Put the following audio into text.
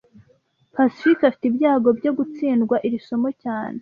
Pacifique afite ibyago byo gutsindwa iri somo cyane